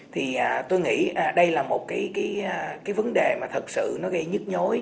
thì tôi nghĩ đây là một cái vấn đề mà thật sự nó gây nhức nhối